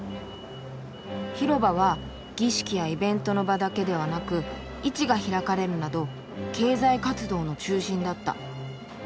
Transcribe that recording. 「広場は儀式やイベントの場だけではなく市が開かれるなど経済活動の中心だった。